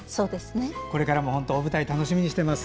これからも大舞台楽しみにしています。